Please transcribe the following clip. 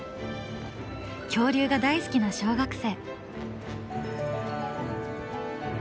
恐竜が大好きな小学生。